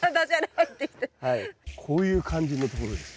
こういう感じのところです。